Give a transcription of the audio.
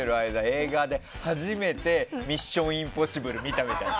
映画で初めて「ミッションインポッシブル」見たみたい。